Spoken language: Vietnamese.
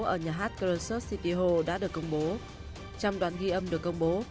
ở nhà hát crescent city hall đã được công bố